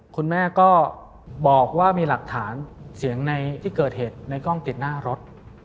คุณแม่ก็บอกว่ามีหลักฐานเสียงในที่เกิดเหตุในกล้องติดหน้ารถ